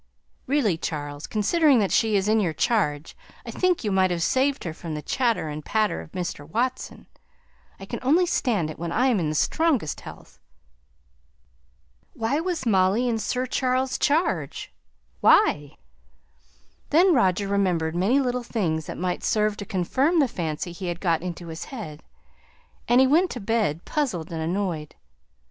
"Really, Charles, considering that she is in your charge, I think you might have saved her from the chatter and patter of Mr. Watson; I can only stand it when I am in the strongest health." Why was Molly in Sir Charles's charge? why? Then Roger remembered many little things that might serve to confirm the fancy he had got into his head; and he went to bed puzzled and annoyed.